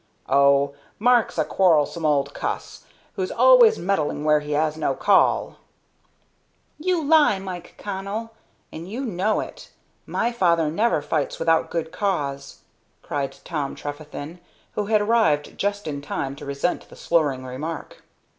"Oh, Mark's a quarrelsome old cuss, who's always meddling where he has no call." "You lie, Mike Connell, and you know it. My father never fights without good cause," cried Tom Trefethen, who had arrived just in time to resent the slurring remark.